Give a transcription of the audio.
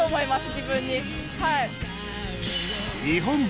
自分にはい。